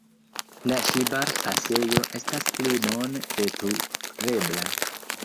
La Ŝibar-pasejo estas pli bone veturebla.